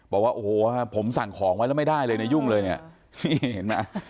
บอกว่าโอ้โหผมสั่งของไว้แล้วไม่ได้เลยยุ่งเลยเนี่ย